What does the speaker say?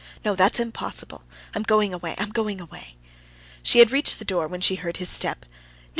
No, that's impossible. I'm going away, I'm going away." She had reached the door, when she heard his step. "No!